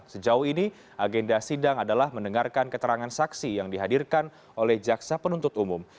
sejauh ini agenda sidang adalah mendengarkan keterangan saksi yang dihadirkan oleh jaksa penuntut umum